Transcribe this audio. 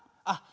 あ！